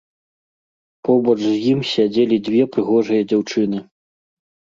Побач з ім сядзелі дзве прыгожыя дзяўчыны.